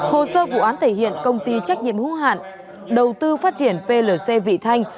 hồ sơ vụ án thể hiện công ty trách nhiệm hữu hạn đầu tư phát triển plc vị thanh